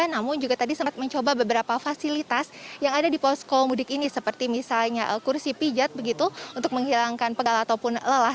namun juga tadi sempat mencoba beberapa fasilitas yang ada di posko mudik ini seperti misalnya kursi pijat begitu untuk menghilangkan pegal ataupun lelah